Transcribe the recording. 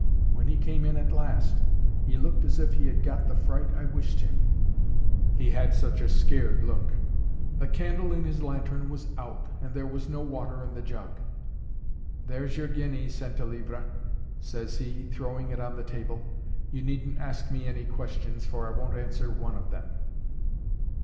When he came in at last, he looked as if he had got the fright I wished him, he had such a scared look. The candle in his lantern was out, and there was no water in the jug. "There's your guinea, Centlivre," says he, throwing it on the table. "You needn't ask me any questions, for I won't answer one of them."